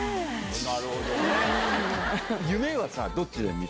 なるほどね。